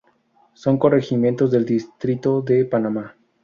Son corregimientos del distrito de Panamá.